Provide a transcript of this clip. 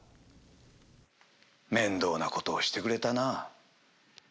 「面倒な事をしてくれたな」